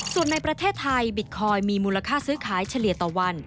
ส่วนในประเทศไทยบิตคอยน์มีมูลค่าซื้อขายเฉลี่ยต่อวัน